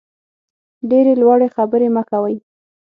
ډېرې لوړې خبرې مه کوئ.